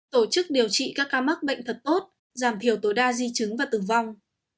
tổ chức điều trị các ca mắc bệnh thật tốt giảm thiểu tối đa di chứng và tử vong